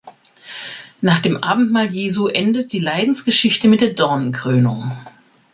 Nach dem Abendmahl Jesu endet die Leidensgeschichte mit der Dornenkrönung.